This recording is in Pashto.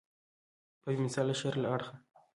په بې مثاله شر له اړخه.